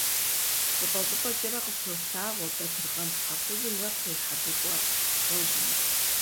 Щӏыпӏэ-щӏыпӏэкӏэрэ къыщолъагъуэ батыргъэн щхьэ хужьымрэ кхъуейхьэбыкъуэ гъуэжьымрэ.